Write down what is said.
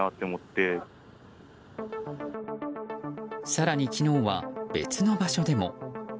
更に昨日は、別の場所でも。